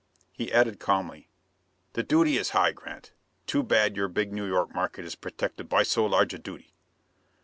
He added calmly, "The duty is high, Grant. Too bad your big New York market is protected by so large a duty.